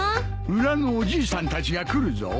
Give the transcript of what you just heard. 裏のおじいさんたちが来るぞ。